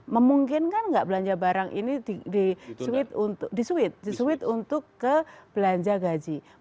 memungkinkan nggak belanja barang ini disuit untuk kebelanja gaji